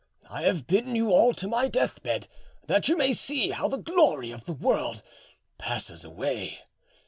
I have bidden you all to my deathbed, that you may see how the glory of the world passes away.